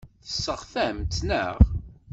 Tesseɣtamt-tt, naɣ?